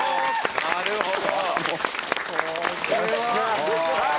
なるほど。